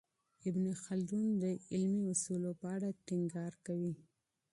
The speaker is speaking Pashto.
ابن خلدون د علمي اصولو په اړه ټینګار کوي.